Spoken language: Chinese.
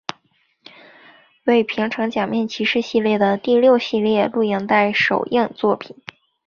为平成假面骑士系列的第六系列录影带首映作品。